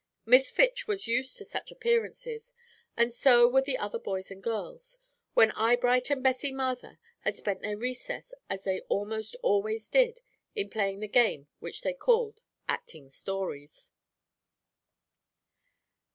Miss Fitch was used to such appearances, and so were the other boys and girls, when Eyebright and Bessie Mather had spent their recess, as they almost always did, in playing the game which they called "acting stories."